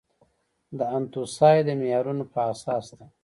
د انتوسای د معیارونو په اساس ده.